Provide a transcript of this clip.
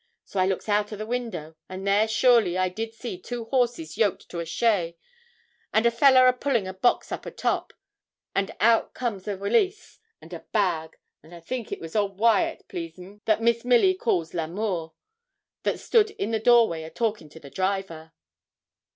So I looks out o' the window; and there surely I did see two horses yoked to a shay, and a fellah a pullin' a box up o' top; and out comes a walise and a bag; and I think it was old Wyat, please'm, that Miss Milly calls L'Amour, that stood in the doorway a talking to the driver.'